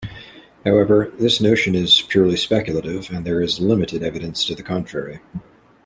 However, this notion is purely speculative and there is limited evidence to the contrary.